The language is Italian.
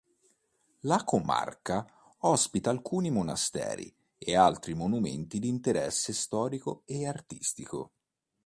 La comarca ospita alcuni monasteri e altri monumenti di interesse storico e artistico.